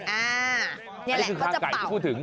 อันนี้คือคางไก่ที่พูดถึง